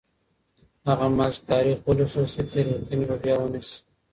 هغه مهال چې تاریخ ولوستل شي، تېروتنې به بیا ونه شي.